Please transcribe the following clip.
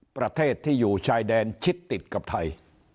ประเทศที่อยู่ชายแดนชิดติดกับไทย